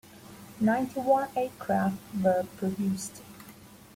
Ninety-one aircraft were produced.